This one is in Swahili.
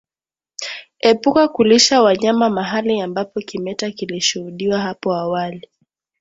Epuka kulisha wanyama mahali ambapo kimeta kilishuhudiwa hapo awali